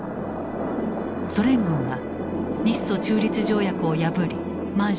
ソ連軍が日ソ中立条約を破り満州に侵攻。